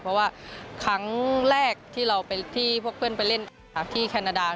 เพราะว่าครั้งแรกที่เราไปที่พวกเพื่อนไปเล่นที่แคนาดา